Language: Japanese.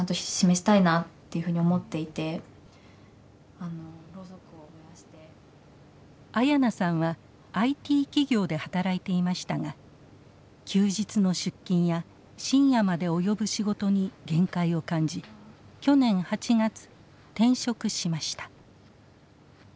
その一人あやなさんはＩＴ企業で働いていましたが休日の出勤や深夜まで及ぶ仕事に限界を感じ去年８月転職しました。